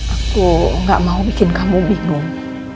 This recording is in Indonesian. aku gak mau bikin kamu bingung